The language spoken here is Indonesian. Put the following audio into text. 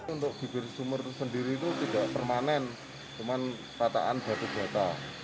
untuk bibir sumur itu sendiri itu tidak permanen cuman pataan batu bata